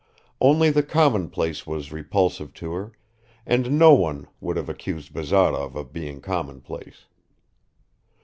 Only the commonplace was repulsive to her, and no one would have accused Bazarov of being commonplace.